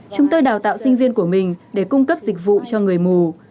chúng tôi đào tạo sinh viên của mình để cung cấp dịch vụ cho người mù